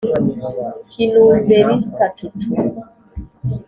kinumberska cucu